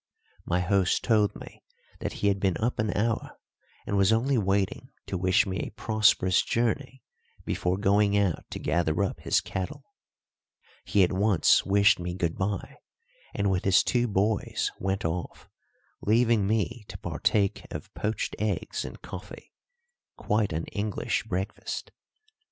My host told me that he had been up an hour, and was only waiting to wish me a prosperous journey before going out to gather up his cattle. He at once wished me good bye, and with his two boys went off, leaving me to partake of poached eggs and coffee quite an English breakfast.